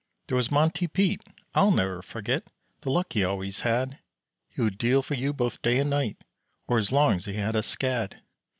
There was Monte Pete, I'll ne'er forget The luck he always had, He would deal for you both day and night Or as long as he had a scad.